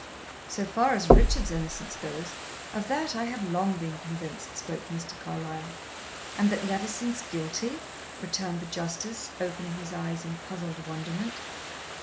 "So far as Richard's innocence goes, of that I have long been convinced," spoke Mr. Carlyle. "And that Levison's guilty?" returned the justice, opening his eyes in puzzled wonderment.